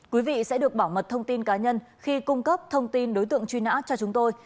quý vị sẽ được bảo mật thông tin cá nhân khi cung cấp thông tin đối tượng truy nã cho chúng tôi